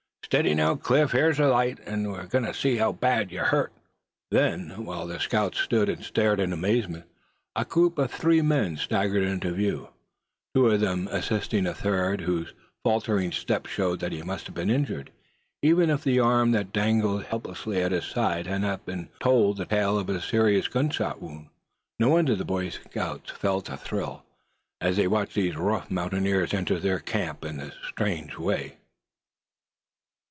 Steady now, Cliff; hyah's a light, an' we kin see how bad yuh is hurt!" Then, while the scouts stood and stared in amazement, a group of three men staggered into view, two of them assisting the third, whose faltering steps showed that he must have been injured, even if the arm that dangled helplessly at his side had not told the tale of a serious gunshot wound! No wonder that the Boy Scouts felt a thrill as they watched these rough mountaineers enter their camp in this strange way.